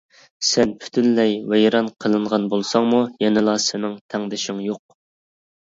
سەن پۈتۈنلەي ۋەيران قىلىنغان بولساڭمۇ، يەنىلا سېنىڭ تەڭدىشىڭ يوق.